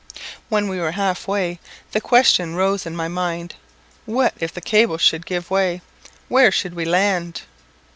When we were half way, the question rose in my mind "What if the cable should give way, where should we land?"